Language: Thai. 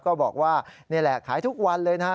ก็บอกว่านี่แหละขายทุกวันเลยนะฮะ